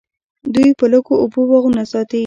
دوی په لږو اوبو باغونه ساتي.